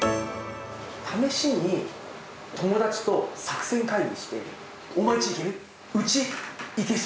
試しに友達と作戦会議して、お前んち行ける？